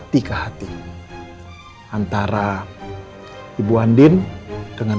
tidak harus melalui persidangan